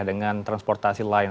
dengan transportasi lain